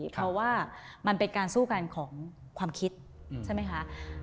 เพราะว่ามันเป็นการสู้กันของความคิดใช่ไหมคะ